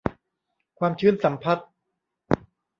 ความชื้นสัมพัทธ์